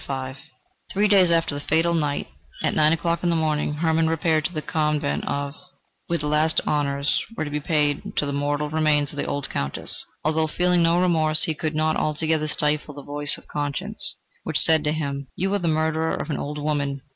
V Three days after the fatal night, at nine o'clock in the morning, Hermann repaired to the Convent of , where the last honours were to be paid to the mortal remains of the old Countess. Although feeling no remorse, he could not altogether stifle the voice of conscience, which said to him: "You are the murderer of the old woman!"